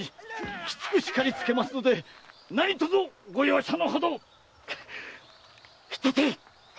きつく叱りつけますので何とぞご容赦のほどを。引っ立てい！